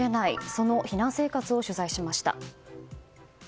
その避難生活を取材しました。